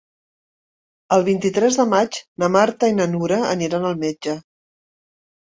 El vint-i-tres de maig na Marta i na Nura aniran al metge.